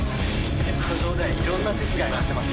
ネット上ではいろんな説が挙がってますけどね。